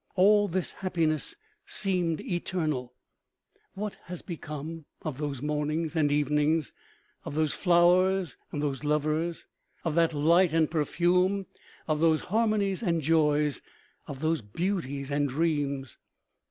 All this happiness seemed eternal. What has become of those mornings and evenings, of those flowers and those lovers, of that light and perfume, of those har monies and joys, of those beauties and dreams?